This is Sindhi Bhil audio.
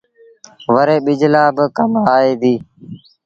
وري ٻج لآ با ڪم آئي ديٚ